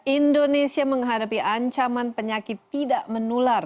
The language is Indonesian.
indonesia menghadapi ancaman penyakit tidak menular